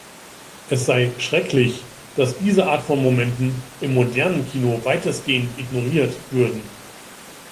Es sei „schrecklich“, dass „diese Art von Momenten im modernen Kino weitestgehend ignoriert“ würden.